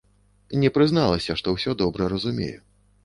Не прызналася, што ўсё добра разумею.